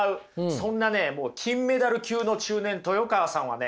そんなね金メダル級の中年豊川さんはね